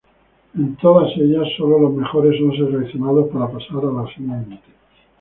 En todas ellas solo los mejores son seleccionados para pasar a la siguiente.